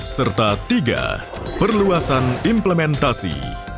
serta tiga perluasan implementasi